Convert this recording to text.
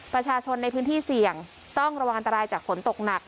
ประชาชนในพื้นที่เสี่ยงต้องระวังอันตรายจากฝนตกหนัก